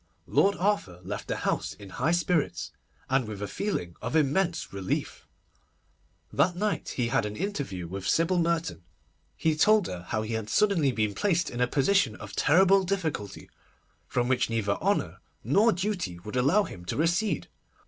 Lord Arthur left the house in high spirits, and with a feeling of immense relief. That night he had an interview with Sybil Merton. He told her how he had been suddenly placed in a position of terrible difficulty, from which neither honour nor duty would allow him to recede.